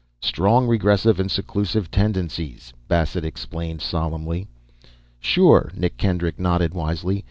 "Strong regressive and seclusive tendencies," Bassett explained, solemnly. "Sure," Nick Kendrick nodded, wisely.